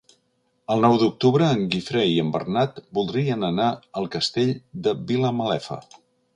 El nou d'octubre en Guifré i en Bernat voldrien anar al Castell de Vilamalefa.